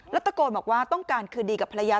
แล้วตะโกนบอกว่าต้องการคืนดีกับภรรยา